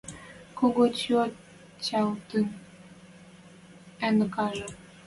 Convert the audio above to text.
Кого тьотятын ыныкажы?